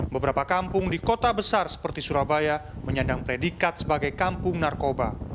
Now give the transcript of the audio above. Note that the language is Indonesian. beberapa kampung di kota besar seperti surabaya menyandang predikat sebagai kampung narkoba